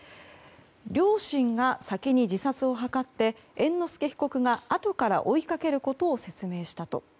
両親が先に自殺を図って猿之助被告が後から追いかけることを説明したと。